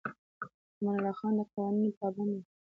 امان الله خان د قوانینو پابند و.